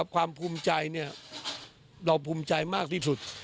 ความภูมิใจเราภูมิใจมากที่สุด